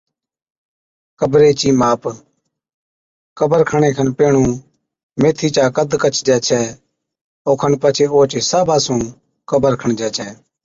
قبري چِي ماپ، قبر کڻڻي کن پيھڻُون ميٿِي چا قد ڪڇجَي ڇَي اوکن پڇي اوھچ حصابا سُون قبر کڻجَي ڇَي